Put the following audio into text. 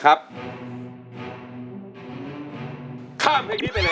สดงรรณ